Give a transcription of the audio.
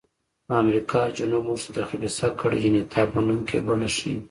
د امریکا جنوب موږ ته د خبیثه کړۍ انعطاف منونکې بڼه ښيي.